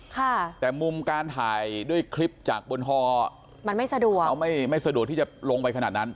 ค่ะแต่มุมการถ่ายด้วยคลิปจากบนฮอมันไม่สะดวกเขาไม่ไม่สะดวกที่จะลงไปขนาดนั้น